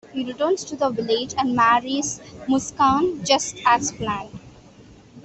He returns to the village and marries Muskaan, just as planned.